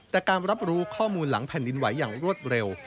แต่การรับรู้ข้อมูลหลังแผ่นดินไหวอย่างรวดเร็ว